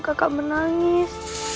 kenapa kakak menangis